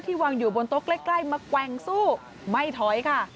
วางอยู่บนโต๊ะใกล้มาแกว่งสู้ไม่ถอยค่ะ